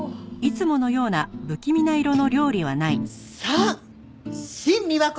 さあシン美和子